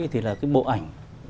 thì là cái bộ ảnh